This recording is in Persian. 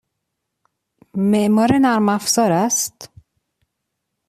معمار نرم افزار است؟